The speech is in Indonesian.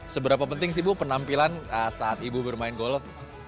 seberapa penting sih ibu penampilan saat ibu bermain golf